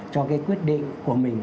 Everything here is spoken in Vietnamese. cho cái quyết định của mình